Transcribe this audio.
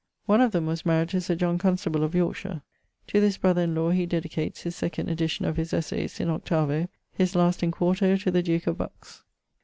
One of them was maried to Sir John Cunstable of Yorkshire. To this brother in lawe he dedicates his second edition of his Essayes, in 8vo; his last, in 4to, to the duke of Bucks.